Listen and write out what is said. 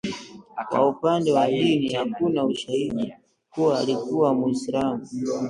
Kwa upande wa dini, hakuna ushahidi kuwa alikuwa Mwislamu